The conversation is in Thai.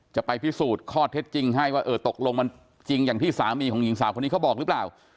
จะไปพิสูจน์ข้อเท็จจริงให้ว่าเออตกลงมันจริงอย่างที่สามีของหญิงสาวคนนี้เขาบอกหรือเปล่า